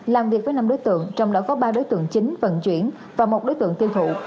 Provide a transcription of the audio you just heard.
làm việc với năm đối tượng trong đó có ba đối tượng chính vận chuyển và một đối tượng tiêu thụ